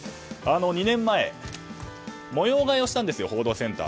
２年前、模様替えをしたんですよ。